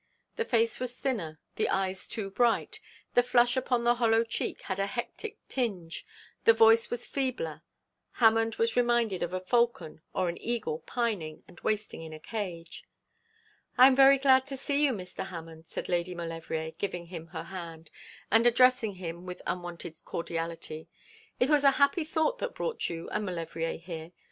The face was thinner, the eyes too bright, the flush upon the hollow cheek had a hectic tinge, the voice was feebler. Hammond was reminded of a falcon or an eagle pining and wasting in a cage. 'I am very glad to see you, Mr. Hammond,' said Lady Maulevrier, giving him her hand, and addressing him with unwonted cordiality. 'It was a happy thought that brought you and Maulevrier here.